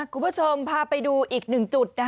คุณผู้ชมพาไปดูอีกหนึ่งจุด